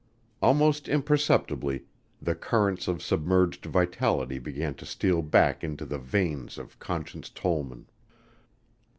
Almost imperceptibly the currents of submerged vitality began to steal back into the veins of Conscience Tollman.